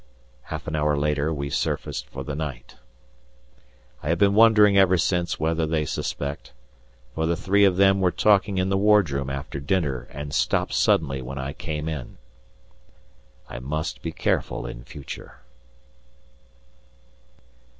Half an hour later we surfaced for the night. I have been wondering ever since whether they suspect, for the three of them were talking in the wardroom after dinner and stopped suddenly when I came in. I must be careful in future.